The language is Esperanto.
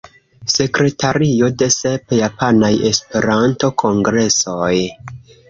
Sekretario de sep Japanaj Esperanto-kongresoj.